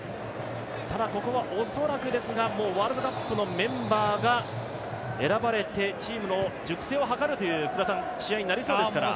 ただここは恐らくですが、ワールドカップのメンバーが選ばれてチームの熟成を図る試合になりそうですから。